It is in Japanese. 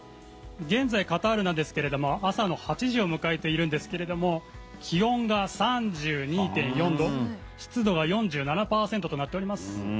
現在、カタールなんですけども朝の８時を迎えているんですが気温が３２．４度湿度は４７％となっております。